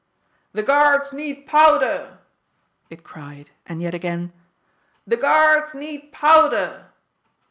"The Guards need powder!" it cried; and yet again, "The Guards need powder!"